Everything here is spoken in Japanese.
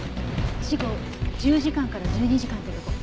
死後１０時間から１２時間ってとこ。